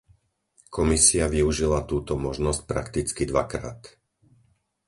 Komisia využila túto možnosť prakticky dvakrát.